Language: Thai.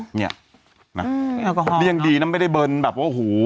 จะอุลรึแล้วก็ห่อก็พรึงหลียังดีนะไม่ได้เบิร์นแบบโอ้โห